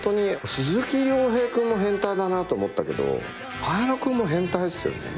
鈴木亮平君も変態だなと思ったけど綾野君も変態っすよね？